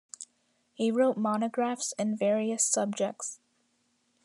He wrote monographs in various subjects.